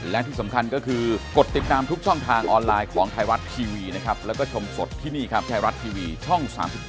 แล้วคอยทุกอย่างราบรื่นแล้วกัน